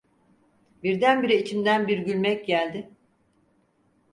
Birdenbire içimden bir gülmek geldi.